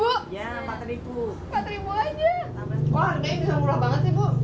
wah harganya bisa murah banget sih bu